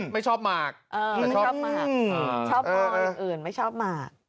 เออไม่ชอบมากชอบมากอื่นไม่ชอบมาก